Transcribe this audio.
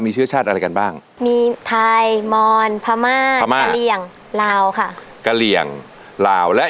ดีใจด้วยนะครับ